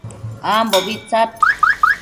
ambobi tsad